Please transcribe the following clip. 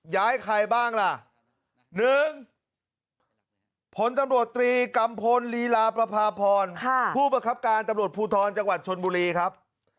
ย้ายใครบ้างล่ะ๑ผลตำรวจตรีกัมพลลีลาประพาพรผู้ประคับการตำรวจภูทรจังหวัดชนบุรีครับ